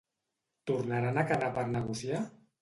Tornaran a quedar per negociar?